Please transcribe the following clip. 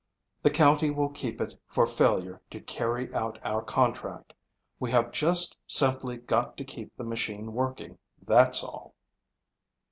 The county will keep it for failure to carry out our contract. We have just simply got to keep the machine working, that's all."